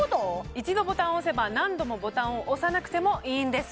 一度ボタンを押せば何度もボタンを押さなくてもいいんです